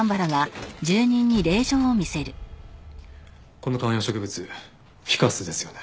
この観葉植物フィカスですよね。